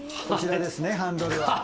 こちらですねハンドルは。